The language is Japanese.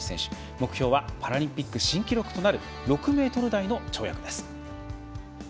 目標はパラリンピック新記録となる６ｍ台の跳躍です。